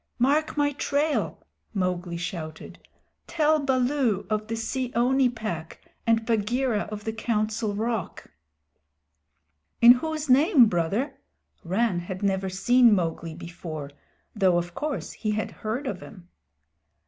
"Mark my trail!" Mowgli shouted. "Tell Baloo of the Seeonee Pack and Bagheera of the Council Rock." "In whose name, Brother?" Rann had never seen Mowgli before, though of course he had heard of him.